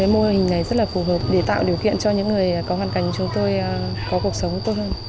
mô hình này rất là phù hợp để tạo điều kiện cho những người có hoàn cảnh chúng tôi có cuộc sống tốt hơn